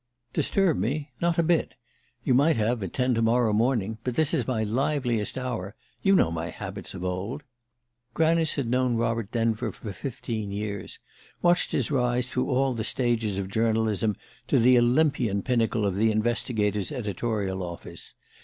"Disturb me? Not a bit. You might have, at ten to morrow morning ... but this is my liveliest hour ... you know my habits of old." Granice had known Robert Denver for fifteen years watched his rise through all the stages of journalism to the Olympian pinnacle of the Investigator's editorial office.